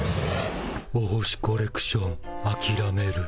お星コレクションあきらめる？